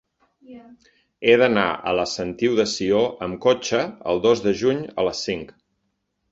He d'anar a la Sentiu de Sió amb cotxe el dos de juny a les cinc.